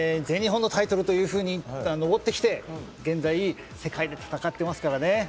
全日本のタイトルというふうに上ってきて現在世界で戦ってますからね。